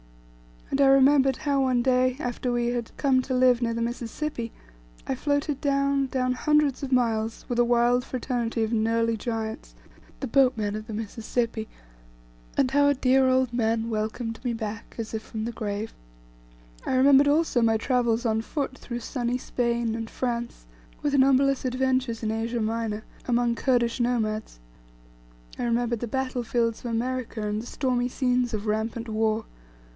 And I remembered how one day, after we had come to live near the Mississipi, I floated down, down, hundreds of miles, with a wild fraternity of knurly giants, the boatmen of the Mississipi, and how a dear old man welcomed me back, as if from the grave. I remembered also my travels on foot through sunny Spain, and France, with numberless adventures in Asia Minor, among Kurdish nomads. I remembered the battle fields of America and the stormy scenes of rampant war.